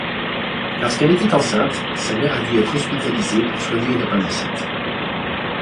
Lorsqu'elle était enceinte, sa mère a dû être hospitalisée pour soigner une appendicite.